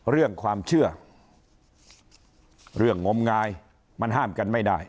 เรื่องความเชื่อเรื่องงมงายมันห้ามกันไม่ได้